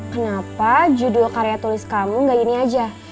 kenapa judul karya tulis kamu gak ini aja